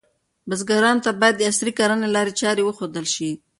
بزګرانو ته باید د عصري کرنې لارې چارې وښودل شي.